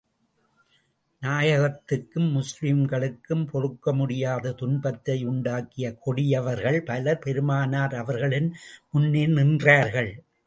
நாயகத்துக்கும், முஸ்லிம்களுக்கும் பொறுக்க முடியாத துன்பத்தை உண்டாக்கிய கொடியவர்கள் பலர் பெருமானார் அவர்களின் முன்னே நின்றார்கள்.